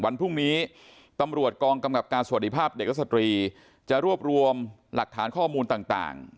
วันพรุ่งนี้ตำรวจกองกำกับการสวัสดีภาพเด็กและสตรีจะรวบรวมหลักฐานข้อมูลต่าง